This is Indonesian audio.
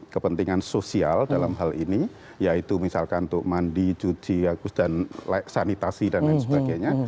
kepentingan sosial dalam hal ini yaitu misalkan untuk mandi cuci sanitasi dan lain sebagainya